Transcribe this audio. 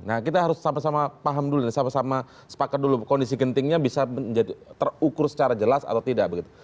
nah kita harus sama sama paham dulu dan sama sama sepakat dulu kondisi gentingnya bisa terukur secara jelas atau tidak begitu